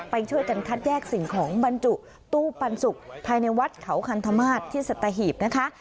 ไปช่วยกันคัดแยกสิ่งของบรรจุตู้ปันสุกภายในวัดเขาคันธมาสที่สัตหีบนะคะ